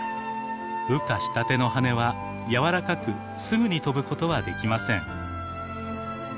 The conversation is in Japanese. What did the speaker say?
羽化したての羽は柔らかくすぐに飛ぶことはできません。